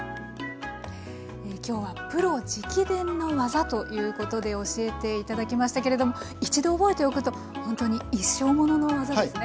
今日はプロ直伝の技ということで教えていただきましたけれども一度覚えておくとほんとに一生ものの技ですね。